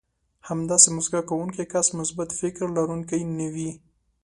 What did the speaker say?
همداسې مسکا کوونکی کس مثبت فکر لرونکی نه وي.